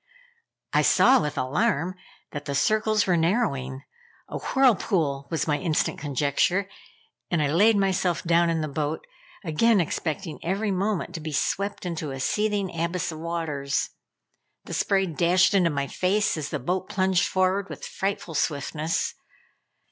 I saw, with alarm, that the circles were narrowing A whirlpool was my instant conjecture, and I laid myself down in the boat, again expecting every moment to be swept into a seething abyss of waters. The spray dashed into my face as the boat plunged forward with frightful swiftness.